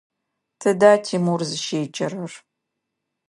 Тыда Тимур зыщеджэрэр?